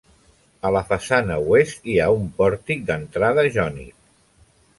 A la façana oest hi ha un pòrtic d'entrada jònic.